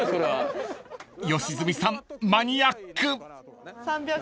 ［良純さんマニアック］